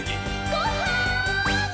「ごはん！」